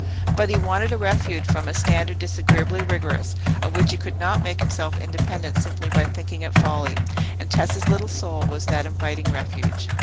But he wanted a refuge from a standard disagreeably rigorous, of which he could not make himself independent simply by thinking it folly; and Tessa's little soul was that inviting refuge.